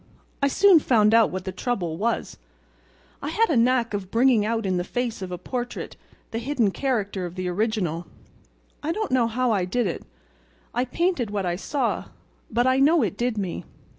"I soon found out what the trouble was. I had a knack of bringing out in the face of a portrait the hidden character of the original. I don't know how I did it—I painted what I saw—but I know it did me.